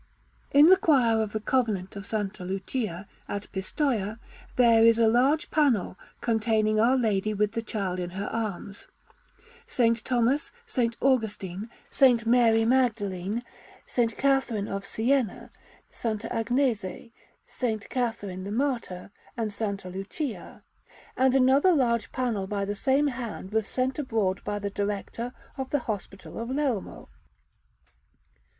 In the choir of the Convent of S. Lucia, at Pistoia, there is a large panel, containing Our Lady with the Child in her arms, S. Thomas, S. Augustine, S. Mary Magdalene, S. Catherine of Siena, S. Agnese, S. Catherine the Martyr, and S. Lucia; and another large panel by the same hand was sent abroad by the Director of the Hospital of Lelmo.